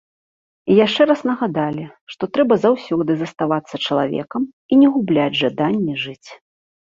І яшчэ раз нагадалі, што трэба заўсёды заставацца чалавекам і не губляць жаданне жыць.